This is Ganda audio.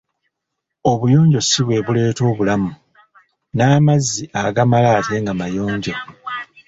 Obuyonjo ssi bwe buleeta obulamu, n'amazzi agamala ate nga mayonjo.